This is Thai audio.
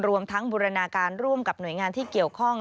รวมทั้งบูรณาการร่วมกับหน่วยงานที่เกี่ยวข้อง